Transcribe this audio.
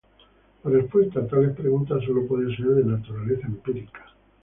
La respuesta a tales preguntas sólo puede ser de naturaleza empírica.